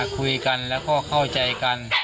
คุยกันแล้วก็เข้าใจกัน